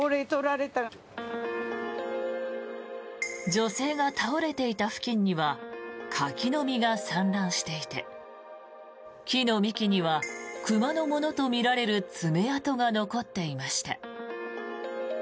女性が倒れていた付近には柿の実が散乱していて木の幹には熊のものとみられる爪痕が残っていました。